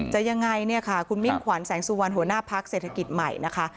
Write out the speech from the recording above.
ยังไงเนี่ยค่ะคุณมิ่งขวัญแสงสุวรรณหัวหน้าพักเศรษฐกิจใหม่นะคะ